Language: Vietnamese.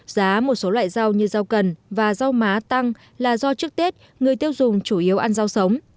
giá một số loại rau như rau cần và rau má tăng là do trước tết người tiêu dùng chủ yếu ăn rau sống